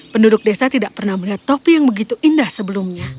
penduduk desa tidak pernah melihat topi yang begitu indah sebelumnya